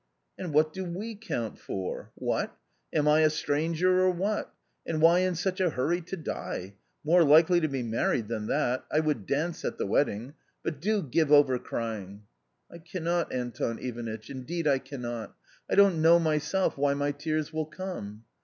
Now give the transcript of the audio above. "And what do we count for? What? Am la stranger or what ? And why in such a hurry to die ? More likely to be married than that — I would dance at the wedding. But do give over crying." "I cannot, Anton Ivanitch, indeed I cannot; I don't know myself why my tears will come."